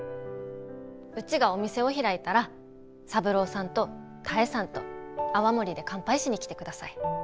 うちがお店を開いたら三郎さんと多江さんと泡盛で乾杯しに来てください。